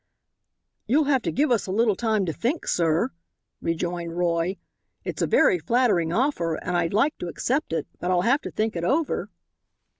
"You'll have to give us a little time to think, sir," rejoined Roy; "it's a very flattering offer and I'd like to accept it, but I'll have to think it over."